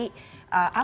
apa yang disampaikan